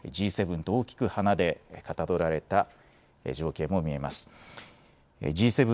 そして、Ｇ７と大きく花でかたどられた情景も見えます。